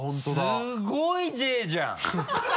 すごい「Ｊ」じゃん！